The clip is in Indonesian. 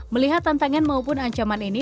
melihat tantangan maupun ancaman ini